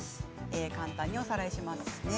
簡単におさらいしますね。